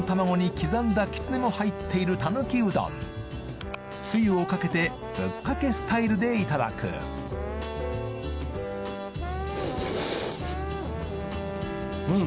刻んだきつねも入っている狸うどんつゆをかけてぶっかけスタイルでいただくうん！